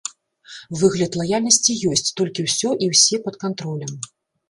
Выгляд лаяльнасці ёсць, толькі ўсё і ўсе пад кантролем.